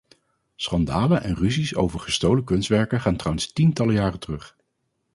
Schandalen en ruzies over gestolen kunstwerken gaan trouwens tientallen jaren terug.